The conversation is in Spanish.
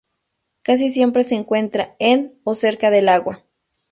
Casi siempre se encuentra en o cerca del agua.